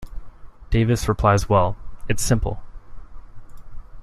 Davis replies Well, its simple.